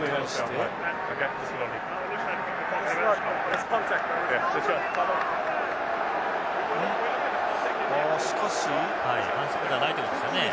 はい反則ではないということですね。